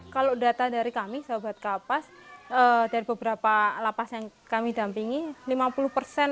kalau data dari kami sahabat kapas dari beberapa lapas yang kami dampingkan